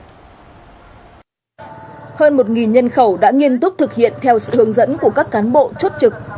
hơn một nhân khẩu đã nghiên túc thực hiện theo sự hướng dẫn của các cán bộ chốt trực